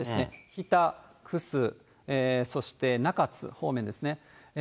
日田、くす、そして中津方面ですね。